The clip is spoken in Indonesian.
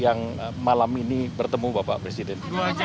yang malam ini bertemu bapak presiden